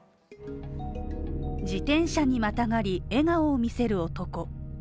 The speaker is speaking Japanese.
自転車にまたがり笑顔を見せる男